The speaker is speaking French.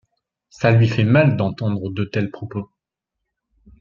Ça lui fait mal d'entendre de tels propos.